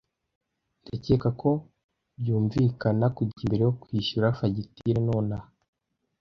Ndakeka ko byumvikana kujya imbere no kwishyura fagitire nonaha.